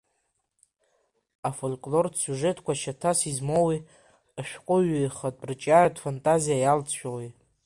Афольклортә сиужетқә шьаҭас измоуи, ашәҟәыҩҩы ихатә рҿиаратә фантазиа иалҵшәоуи.